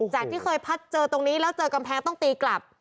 ที่เคยพัดเจอตรงนี้แล้วเจอกำแพงต้องตีกลับ